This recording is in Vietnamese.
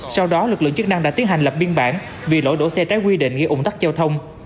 sau đó lực lượng chức năng đã tiến hành lập biên bản vì lỗi đổ xe trái quy định gây ủng tắc giao thông